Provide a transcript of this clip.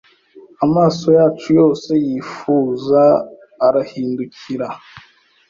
amaso yacu yose yifuza arahindukira